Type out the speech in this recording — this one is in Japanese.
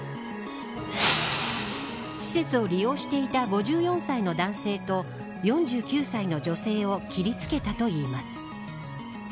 施設を利用していた５４歳の男性と４９歳の女性を切り付けたといいます。